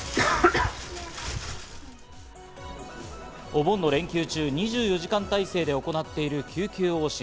お盆の連休中、２４時間体制で行っている救急往診。